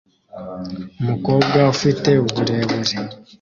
Umukobwa ufite uburebure